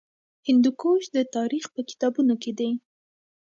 هندوکش د تاریخ په کتابونو کې دی.